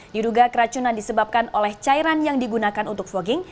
diduga keracunan disebabkan oleh cairan yang digunakan untuk fogging